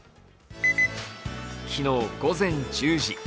昨日午前１０時。